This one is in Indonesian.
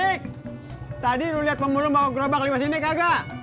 dik tadi lu lihat pemulung bawa gerobak lewat sini kagak